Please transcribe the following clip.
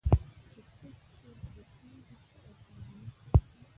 چې کوچ چیرته کیږدئ او کابینه چیرته